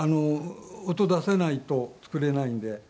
音出せないと作れないんで。